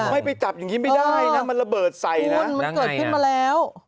ไม่ไปจับอย่างนี้ไม่ได้นะมันระเบิดใส่คุณมันเกิดขึ้นมาแล้ว